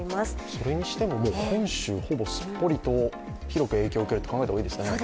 それにしても本州、ほぼすっぽりと広く影響受けると考えた方がいいですかね。